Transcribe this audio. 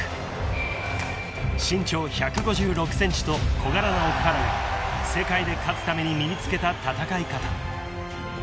［身長１５６ｃｍと小柄な奥原が世界で勝つために身に付けた戦い方］